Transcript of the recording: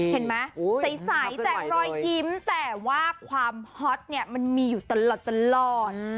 เห็นมั้ยเส้งใสแต่รอยยิ้มแต่ว่าความเฮาขย์มีอยู่ตลอดเป็นล่อน